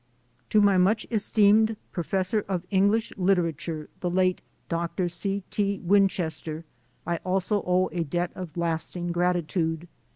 To my much esteemed Professor of English Lit erature, the late Dr. C. T. Winchester, I also owe a debt of lasting gratitude.